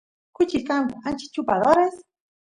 kuchis kanku ancha chupadores